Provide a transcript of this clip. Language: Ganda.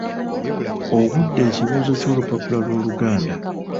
Ogudde ekibuuzo ky’olupapula lw’Oluganda